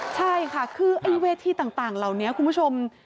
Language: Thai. ใช่ค่ะคือไอ้เวทีต่างเหล่านี้คุณผู้ชม